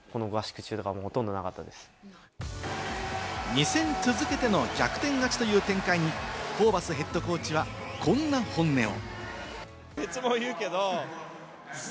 ２戦続けての逆転勝ちという展開にホーバスＨＣは、こんな本音を。